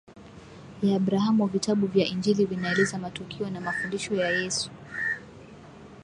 ya Abrahamu Vitabu vya Injili vinaeleza matukio na mafundisho ya Yesu